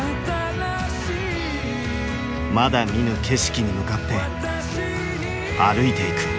まだ見ぬ景色に向かって歩いていく。